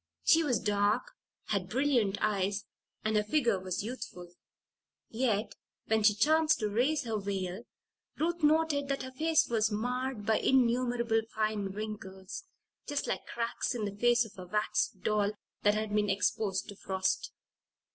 She was dark, had brilliant eyes, and her figure was youthful. Yet, when she chanced to raise her veil, Ruth noted that her face was marred by innumerable fine wrinkles just like cracks in the face of a wax doll that had been exposed to frost.